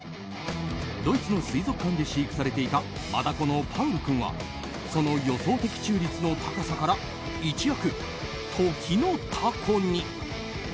ドイツの水族館で飼育されていたマダコのパウル君はその予想的中率の高さから一躍、時のタコに。